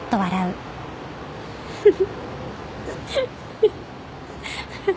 フフフ。